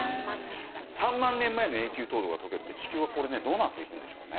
３万年前の永久凍土が解けるって地球はこれねどうなっていくんでしょうね。